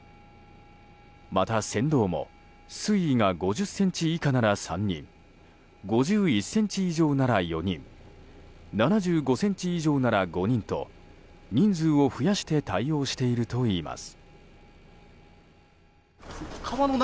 また、船頭も水位が５０ｃｍ以下なら３人５１ｃｍ以上なら４人７５ｃｍ以上なら５人と人数を増やして対応しているといいます。